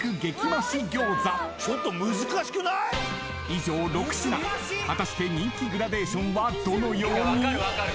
［以上６品果たして人気グラデーションはどのように？］